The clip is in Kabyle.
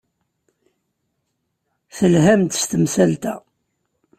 Telham-d s temsalt-a.